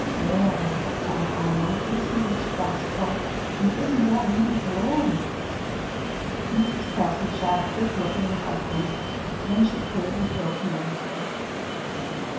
"There!" sighed Alma. "Isn't this restful? And isn't that moon glorious?" Mrs. Kelsey shot a quick look at her husband; then she cleared her throat nervously.